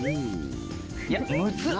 いやむずっ。